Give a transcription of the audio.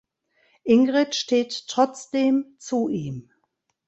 Ingrid steht trotzdem zu ihm.